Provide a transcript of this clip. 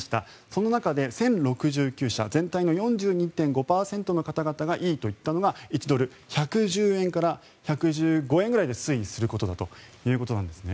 その中で１０６９社全体の４２．５％の方々がいいと言ったのが１ドル＝１１０円から１１５円くらいで推移することだということです。